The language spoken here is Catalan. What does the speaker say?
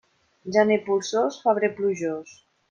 Gener polsós, febrer plujós.